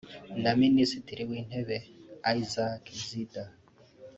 na Minisitiri w’Intebe Isaac Zida